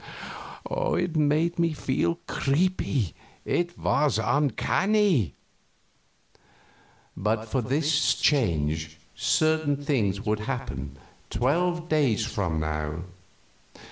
It made me feel creepy; it was uncanny. "But for this change certain things would happen twelve days from now.